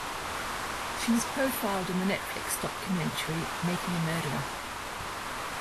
She was profiled in the Netflix documentary "Making a Murderer".